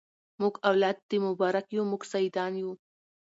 موږ اولاد د مبارک یو موږ سیدان یو